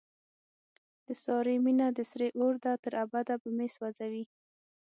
د سارې مینه د سرې اورده، تر ابده به مې سو ځوي.